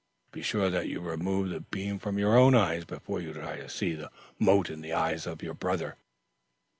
Be sure that you remove the beam from your own eye, before you try to see the mote in the eye of your brother."